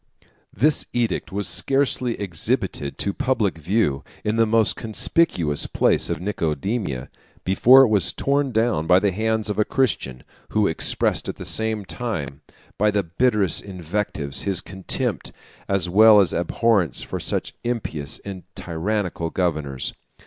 ] This edict was scarcely exhibited to the public view, in the most conspicuous place of Nicomedia, before it was torn down by the hands of a Christian, who expressed at the same time, by the bitterest invectives, his contempt as well as abhorrence for such impious and tyrannical governors.